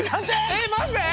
えっマジで？